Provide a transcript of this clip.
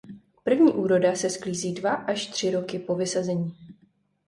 První úroda se sklízí dva až tři roky po vysazení.